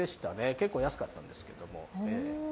結構安かったんですけど。